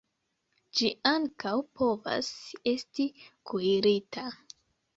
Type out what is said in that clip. Ĝi ankaŭ povas esti kuirita.